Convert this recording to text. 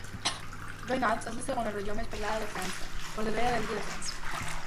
Roine-Alps és la segona regió més poblada de França, per darrere de l'Illa de França.